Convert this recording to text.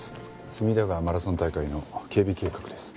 隅田川マラソン大会の警備計画です。